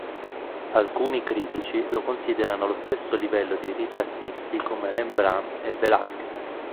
Alcuni critici lo considerano allo stesso livello di ritrattisti come Rembrandt e Velázquez.